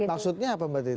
maksudnya apa berarti itu